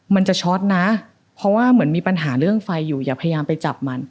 มันจะช็อตนะเพราะว่าเหมือนมีปัญหาเรื่องไฟอยู่อย่าพยายามไปจับมัน